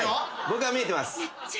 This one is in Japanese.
僕は見えてます。